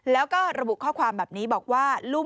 แล้วก็ระบุข้อความแบบนี้บอกว่า